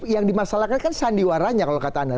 yang dimasalahkan kan sandiwaranya kalau kata anda